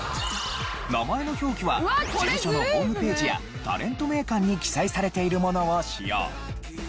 名前の表記は事務所のホームページや『タレント名鑑』に記載されているものを使用。